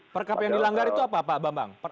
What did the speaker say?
perkap yang dilanggar itu apa pak bambang